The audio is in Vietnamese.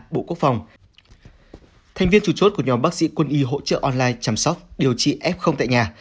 bộ quốc phòng thành viên chủ chốt của nhóm bác sĩ quân y hỗ trợ online chăm sóc điều trị f tại nhà